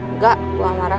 enggak gua marah